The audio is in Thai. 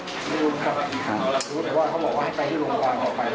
รู้แต่ว่าเขาบอกว่าให้ไปที่โรงพยาบาล